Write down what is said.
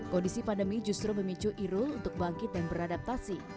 kondisi pandemi justru memicu irul untuk bangkit dan beradaptasi